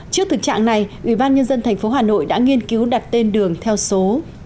trước thực trạng này ubnd tp hà nội đã nghiên cứu đặt tên đường theo số